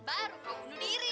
baru kau bunuh diri